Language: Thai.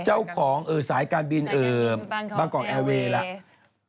เจ้าของสายการบินบางกอกแอร์เวย์แล้ว